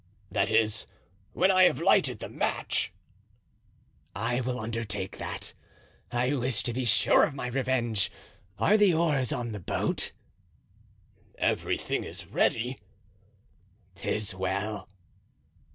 "That is, when I have lighted the match?" "I will undertake that. I wish to be sure of my revenge. Are the oars in the boat?" "Everything is ready." "'Tis well."